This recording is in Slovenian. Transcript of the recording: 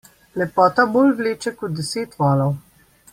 Lepota bolj vleče kot deset volov.